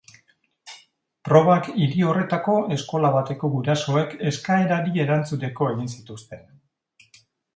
Probak hiri horretako eskola bateko gurasoek eskaerari erantzuteko egin zituzten.